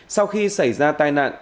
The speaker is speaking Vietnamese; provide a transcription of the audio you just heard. sau khi xảy ra tai nạn